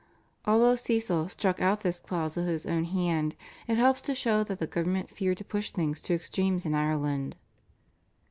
" Although Cecil struck out this clause with his own hand, it helps to show that the government feared to push things to extremes in Ireland.